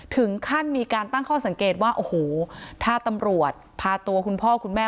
ถึงขั้นมีการตั้งข้อสังเกตว่าโอ้โหถ้าตำรวจพาตัวคุณพ่อคุณแม่